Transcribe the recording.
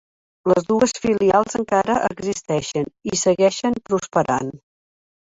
Les dues filials encara existeixen i segueixen prosperant.